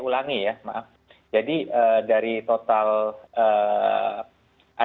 kampung wani yaitu data yang kami dapat dari pemkot surabaya